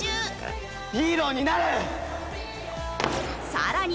さらに